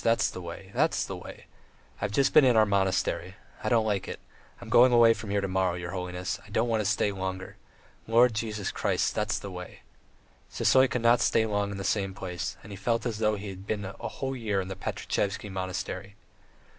. That's the way ... that's the way. ... I've just been in our monastery. ... I don't like it. I'm going away from here to morrow, your holiness; I don't want to stay longer. Lord Jesus Christ. ... That's the way. ..." Sisoy could never stay long in the same place, and he felt as though he had been a whole year in the Pankratievsky Monastery.